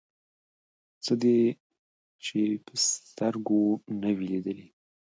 څه دې چې په سترګو نه وي لیدلي.